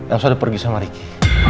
elsa udah pergi sama ricky